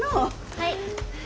はい。